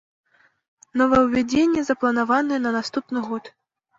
Новаўвядзенне запланаванае на наступны год.